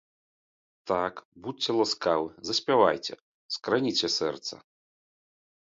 Так, будзьце ласкавы, заспявайце, скраніце сэрца.